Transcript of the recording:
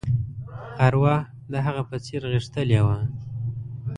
ارواح د هغه په څېر غښتلې وه.